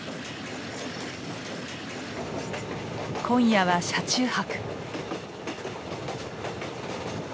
今夜は車中泊。